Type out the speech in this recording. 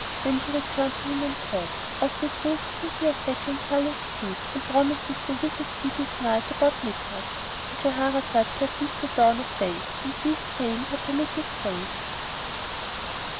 Then she returned to him and said, "Of a truth Kuzia Fakan saluteth thee and promiseth to visit thee this night about midnight."—And Shahrazad perceived the dawn of day and ceased saying her permitted say.